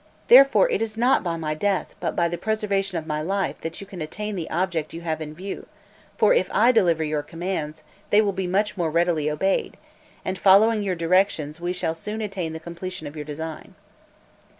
Therefore, it is not by my death, but by the preservation of my life, that you can attain the object you have in view; for if I deliver your commands, they will be much more readily obeyed, and following your directions, we shall soon attain the completion of your design."